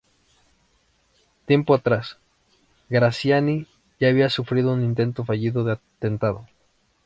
Tiempo atrás, Graziani ya había sufrido un intento fallido de atentado.